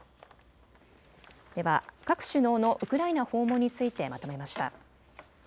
では各首脳のウクライナ訪問についてまとめました。